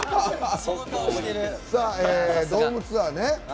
ドームツアーね。